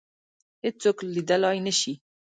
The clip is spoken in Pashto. هیڅوک لیدلای نه شي